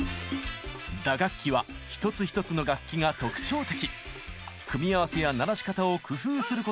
打楽器は一つ一つの楽器が特徴的！